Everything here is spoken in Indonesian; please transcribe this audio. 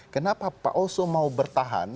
kenapa pak oso mau bertahan